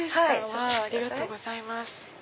ありがとうございます。